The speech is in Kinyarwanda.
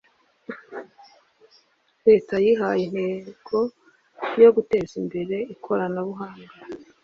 lete yihaye integoyo guteza imbere ikora nabuhanga